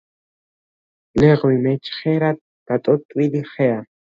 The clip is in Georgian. ლეღვი მეჩხერად დატოტვილი ხეა.